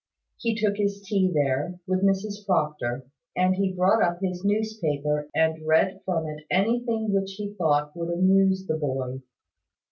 He took his tea there, with Mrs Proctor; and he brought up his newspaper, and read from it anything which he thought would amuse the boy.